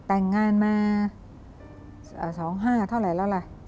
แต่งงานมา๒๕เท่าไหร่แล้วล่ะ